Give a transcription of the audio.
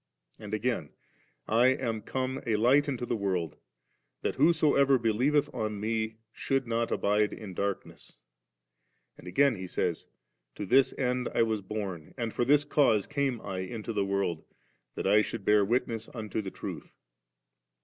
And again ;' I am come a h'ght into the world, that whosoever believeth on Me, should not abide in darkness ^' And again he says; 'To this end was I bom, and for this cause came I into the world, that I should bear witness unto the truths.'